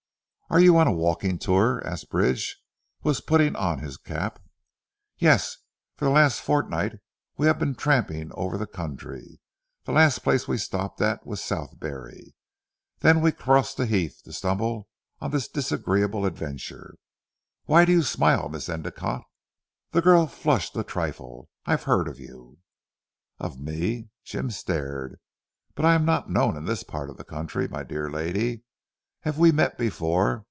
"Are you on a walking tour?" asked Bridge who was putting on his cap. "Yes! For the last fortnight we have been tramping over the country. The last place we stopped at was Southberry. Then we crossed the Heath to stumble on this disagreeable adventure. Why do you smile Miss Endicotte?" The girl flushed a trifle. "I have heard of you!" "Of me," Jim stared, "but I am not known in this part of the country my dear lady. Have we met before?